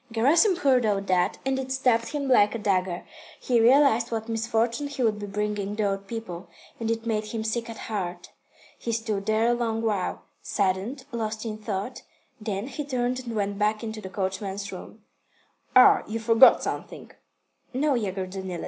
Gerasim heard all that, and it stabbed him like a dagger. He realised what misfortune he would be bringing the old people, and it made him sick at heart. He stood there a long while, saddened, lost in thought, then he turned and went back into the coachman's room. "Ah, you forgot something?" "No, Yegor Danilych."